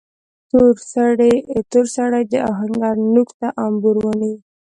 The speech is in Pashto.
تور سړي د آهنګر نوک ته امبور ونيو.